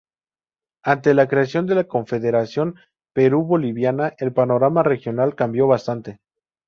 Ante la creación de la Confederación Perú-boliviana, el panorama regional cambio bastante.